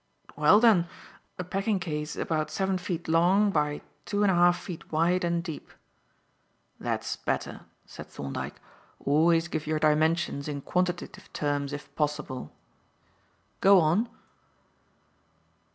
"Well, then, a packing case about seven feet long by two and a half feet wide and deep." "That's better," said Thorndyke. "Always give your dimensions in quantitative terms if possible. Go on."